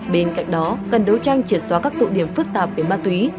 bên cạnh đó cần đấu tranh triệt xóa các tụ điểm phức tạp về ma túy